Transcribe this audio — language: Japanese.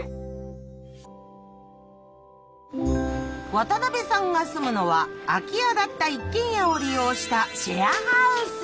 渡部さんが住むのは空き家だった一軒家を利用したシェアハウス。